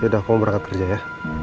yaudah aku mau berangkat kerja ya